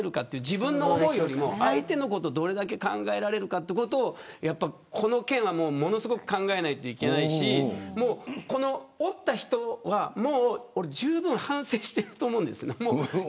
自分の思いよりも相手のことをどれだけ考えられるかということをこの件はものすごく考えないといけないし折った人は、もうじゅうぶん反省していると思うんです。